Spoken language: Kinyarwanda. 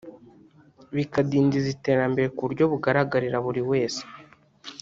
bikandidiza iterambere ku buryo bugaragarira buri wese